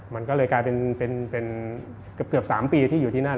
มันก็เลยกลายเป็นเกือบ๓ปีที่อยู่ที่นั่น